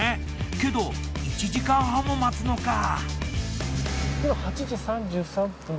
けど１時間半も待つのかぁ。